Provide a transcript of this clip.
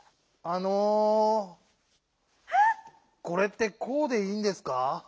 これってこうでいいんですか？